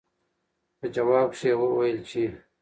پۀ جواب کښې يې وويل چې